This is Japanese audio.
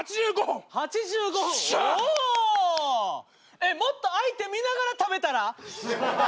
えっもっと相手見ながら食べたら？